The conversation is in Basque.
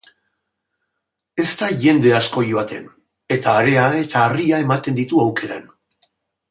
Ez da jende asko joaten, eta area eta harria ematen ditu aukeran.